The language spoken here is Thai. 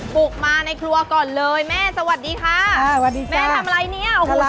ปลูกมาในครัวก่อนเลยแม่สวัสดีค่ะ